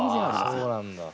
そうなんだ。